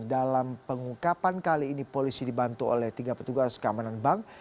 dalam pengungkapan kali ini polisi dibantu oleh tiga petugas keamanan bank